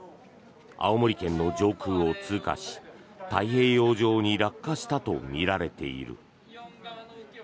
青森県の上空を通過し太平洋上に落下したとみられている。